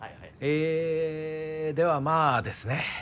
えぇではまあですね